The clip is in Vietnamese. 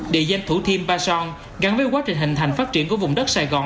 địa danh thủ thiêm ba son gắn với quá trình hình thành phát triển của vùng đất sài gòn